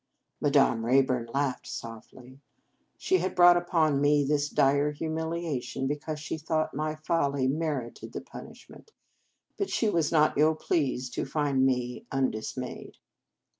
Madame Rayburn laughed softly. She had brought upon me this dire humiliation because she thought my folly merited the punishment; but she was not ill pleased to find me undis mayed.